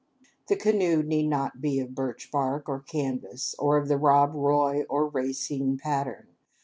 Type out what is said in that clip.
The canoe need not be of birch bark or canvas, or of the Rob Roy or Racine pattern.